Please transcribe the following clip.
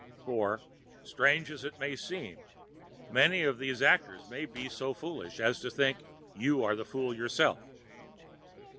For, strange as it may seem, many of these actors may be so foolish as to think you the fool yourself!